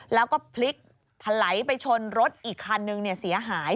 แล้วก็พลิกถลายไปชนรถอีกคันนึงเสียหาย